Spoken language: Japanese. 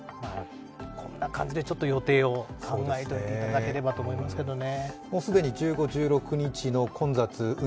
こんな感じで予定を考えていただければと思いますけどね。